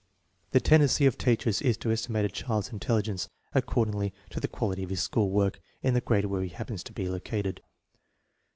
The tendency of teachers is to estimate a child's intelli gence according to the quality of his school work in the grade where he happens to be located.